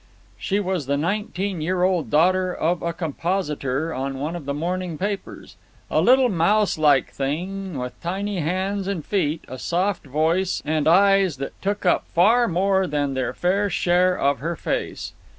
She was the nineteen year old daughter of a compositor on one of the morning papers, a little, mouselike thing, with tiny hands and feet, a soft voice, and eyes that took up far more than their fair share of her face.